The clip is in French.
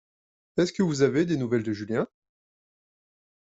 Est-ce que vous avez des nouvelles de Julien?